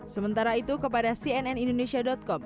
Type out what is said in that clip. sementara itu kepada cnn indonesia com